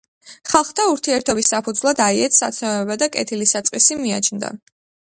ხალხთა ურთიერთობის საფუძვლად აიეტს სათნოება და „კეთილი საწყისი“ მიაჩნდა.